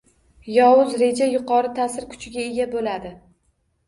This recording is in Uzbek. Yovuz reja yuqori taʼsir kuchiga ega boʻladi